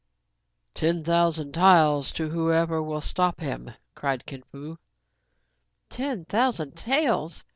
"Ten thousand taels to whoever will stop him!" cried Kin Fo. " Ten thousand taels